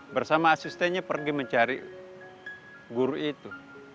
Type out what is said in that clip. bersama asistennya pergi mencari guru itu